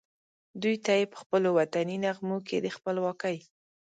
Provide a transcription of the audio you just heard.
دوی ته یې پخپلو وطني نغمو کې د خپلواکۍ